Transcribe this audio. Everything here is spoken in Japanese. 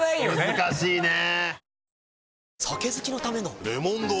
難しいね。